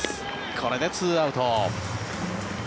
これで２アウト。